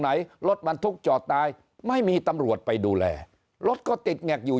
ไหนรถบรรทุกจอดตายไม่มีตำรวจไปดูแลรถก็ติดแงกอยู่